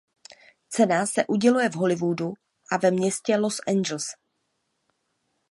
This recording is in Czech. Cena se uděluje v Hollywoodu ve městě Los Angeles.